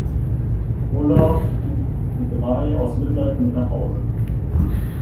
Olaf nimmt die drei aus Mitleid mit nach Hause.